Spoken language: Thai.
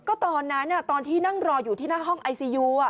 ก็ตอนนั้นตอนที่นั่งรออยู่ที่หน้าห้องไอซียู